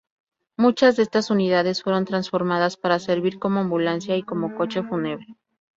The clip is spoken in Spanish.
Muchas de estas unidades fueron transformadas para servir como ambulancia y como coche fúnebre.